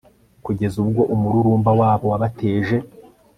kugeza ubwo umururumba wabo wabateje